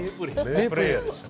名プレーヤーでした。